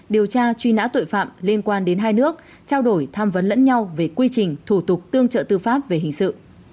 điều tra truy nã tội phạm liên quan đến hai nước trao đổi tham vấn lẫn nhau về quy trình thủ tục tương trợ tư pháp về hình sự